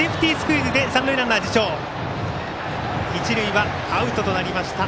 一塁はアウトとなりました。